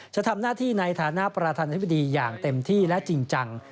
จะทำหน้าที่ในฐานะประธานาธิบดีอย่างเต็มที่และจริงจัง